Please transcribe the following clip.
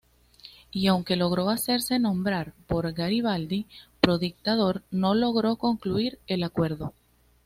Y aunque logró hacerse nombrar por Garibaldi pro-dictador, no logró concluir el acuerdo.